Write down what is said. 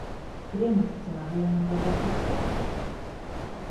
Кремль стенаһы янында баҫып торам.